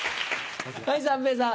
はい三平さん。